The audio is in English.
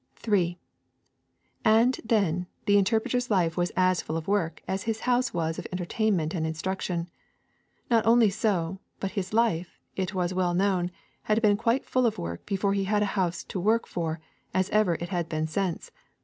3. And, then, the Interpreter's life was as full of work as his house was of entertainment and instruction. Not only so, but his life, it was well known, had been quite as full of work before he had a house to work for as ever it had been since.